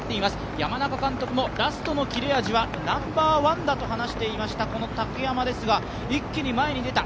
山中監督も、ラストの切れ味はナンバーワンだと話していました竹山ですが一気に前に出た。